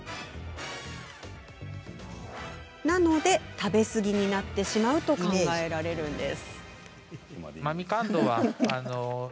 なので、食べ過ぎになってしまうと考えられるんです。